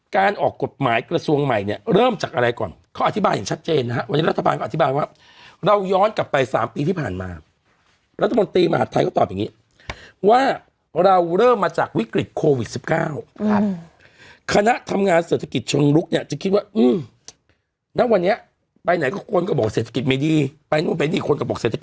การออกกฎหมายกระสวงใหม่เนี่ยเริ่มจากอะไรก่อน